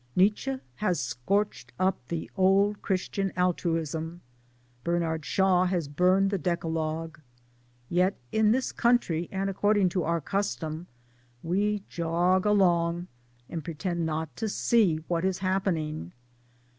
Nietzsche has scorched up the old Christian altruism ; Bernard Shaw has burned the Decalogue. Yet (in this country and according to our custom) we jog along and pretend not to see what is hap pening.